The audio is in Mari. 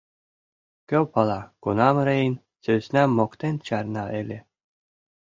Кӧ пала, кунам Рейн сӧснам моктен чарна ыле.